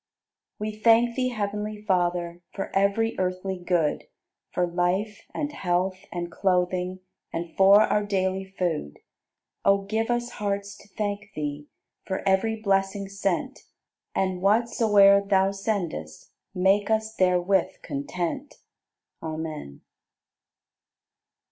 78. We thank Thee, heav'nly Father, For ev'ry earthly good, For life, and health, and clothing, And for our daily food. O give us hearts to thank Thee, For ev'ry blessing sent, And whatsoe'er Thou sendest Make us therewith content. Amen.